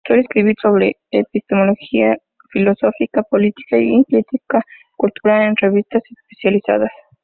Suele escribir sobre epistemología, filosofía política y crítica cultural en revistas especializadas.